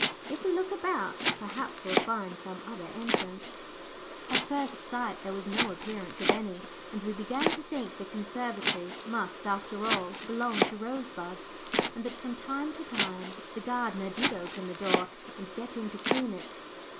If we look about, perhaps we'll find some other entrance." At first sight there was no appearance of any, and we began to think the conservatory must, after all, belong to Rosebuds, and that from time to time the gardener did open the door and get in to clean it.